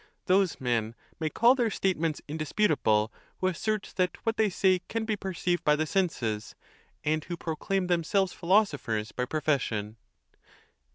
Those men may call their statements indisputable who assert that what they say can be perceived by the senses, and who proclaim themselves philosophers by profession.